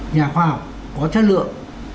nhà khoa học có chất lượng